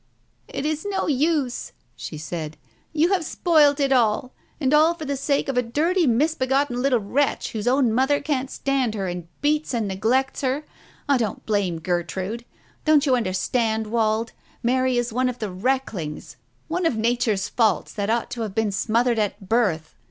"It is no use," she said. "You have spoilt it all. And all for the sake of a dirty misbegotten little wretch whose own mother can't stand her and beats and neglects her. I don't blame Gertrude. Don't you understand, Wald, Mary is one of the wrecklings, one of Nature's faults that ought to have been smothered at birth?